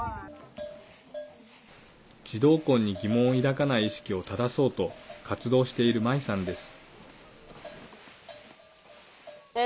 児童婚に疑問を抱かない意識を正そうと活動しているマイさんです。